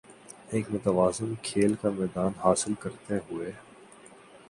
ایک متوازن کھیل کا میدان حاصل کرتے ہوے